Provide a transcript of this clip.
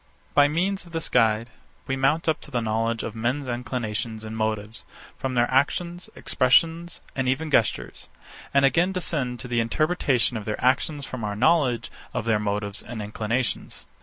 By means of this guide, we mount up to the knowledge of men's inclinations and motives, from their actions, expressions, and even gestures; and again descend to the interpretation of their actions from our knowledge of their motives and inclinations.